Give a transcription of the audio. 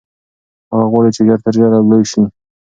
هغه غواړي چې ژر تر ژره لوی شي.